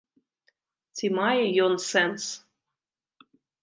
Ці мае ён сэнс?